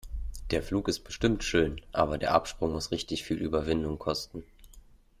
Der Flug ist bestimmt schön, aber der Absprung muss richtig viel Überwindung kosten.